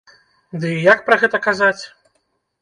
Ды і як пра гэта казаць!?